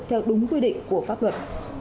theo đúng quy định của pháp luật